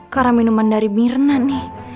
karena minuman dari mirna nih